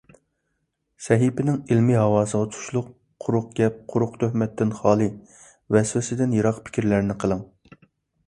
سەھىپىنىڭ ئىلمىي ھاۋاسىغا تۇشلۇق، قۇرۇق گەپ، قۇرۇق تۆھمەتتىن خالىي، ۋەسۋەسىدىن يىراق پىكىرلەرنى قىلىڭ!